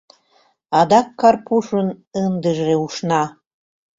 Адак Карпушын ындыже ушна: